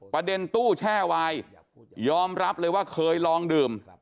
ตู้แช่วายยอมรับเลยว่าเคยลองดื่ม